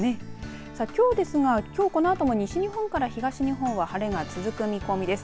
きょうですが、きょうこのあとも西日本から東日本にかけて晴れが続く見込みです。